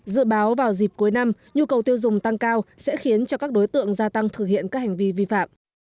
dự báo vào dịp cuối năm nhu cầu tiêu dùng tăng cao sẽ khiến cho các đối tượng gia tăng thực hiện các hành vi vi phạm